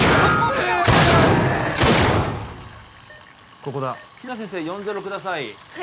ここだ比奈先生４−０ください